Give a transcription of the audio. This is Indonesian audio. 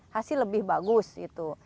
hasil lebih bagus itu